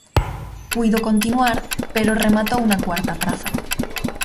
Puido continuar, pero rematou na cuarta praza.